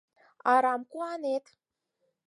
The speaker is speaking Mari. — Арам куанет!